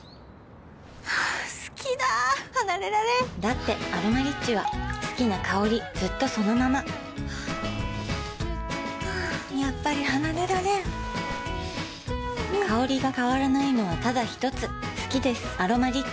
好きだ離れられんだって「アロマリッチ」は好きな香りずっとそのままやっぱり離れられん香りが変わらないのはただひとつ好きです「アロマリッチ」